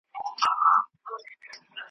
د قسمت په شکایت نه مړېدله .